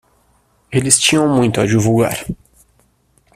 Eles tinham muito a divulgar.